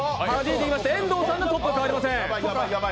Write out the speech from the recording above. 遠藤さんのトップは変わりません。